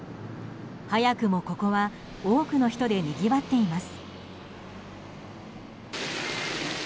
早くもここは多くの人でにぎわっています。